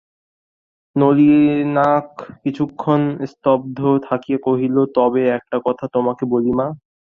নলিনাক্ষ কিছুক্ষণ স্তব্ধ থাকিয়া কহিল, তবে একটা কথা তোমাকে বলি মা।